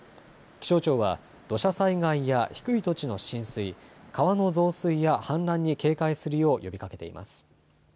気象庁は土砂災害や低い土地の浸水、川の増水や氾濫に警戒するよう呼びかけています。